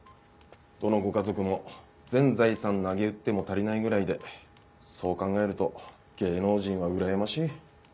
どのご家族も全財産なげうっても足りないぐらいでそう考えると芸能人はうらやましい。